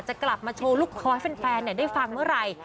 จะกลับมาโชว์ลูกคอให้แฟนได้ฟังเมื่อไหร่